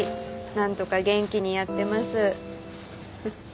何とか元気にやってます。